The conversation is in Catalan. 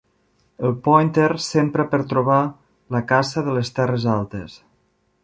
El pòinter s'empra per trobar la caça de les terres altes.